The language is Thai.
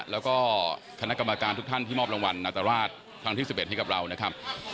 แล้วก็คณะกรรมการทุกท่านที่มอบรางวัลนาตราชครั้งที่๑๑ให้กับเรานะครับ